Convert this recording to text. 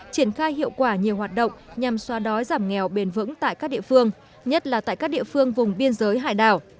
triển khai hiệu quả nhiều hoạt động nhằm xoa đói giảm nghèo bền vững tại các địa phương nhất là tại các địa phương vùng biên giới hải đảo